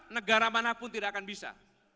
negara manapun tidak akan bisa